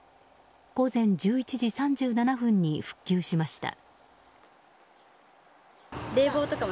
午前１１時３７分に復旧しました。